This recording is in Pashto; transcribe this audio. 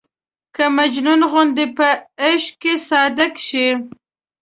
که مجنون غوندې په عشق کې صادق شي.